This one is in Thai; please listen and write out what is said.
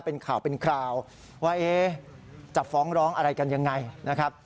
เป็นข่าวเป็นคราวว่าจะฟ้องร้องอะไรกันยังไงนะครับ